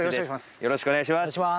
よろしくお願いします